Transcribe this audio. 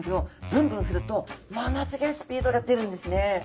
ブンブン振るとものすギョいスピードが出るんですね。